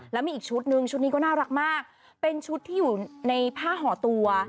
แล้วมีอีกชุดนึงชุดนี้ก็น่ารักมากเป็นชุดที่อยู่ในผ้าห่อตัว